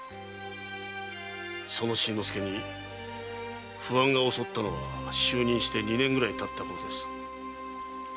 その新之助に不安が襲ったのは就任して二年ぐらい経ったころ。